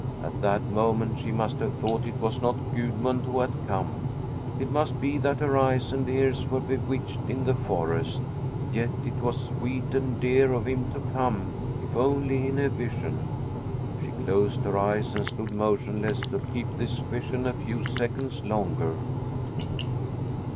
At that moment she must have thought it was not Gudmund who had come. It must be that her eyes and ears were bewitched in the forest. Yet it was sweet and dear of him to come, if only in a vision! She closed her eyes and stood motionless to keep this vision a few seconds longer.